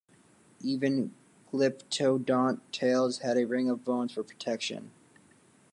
Even glyptodont tails had a ring of bones for protection.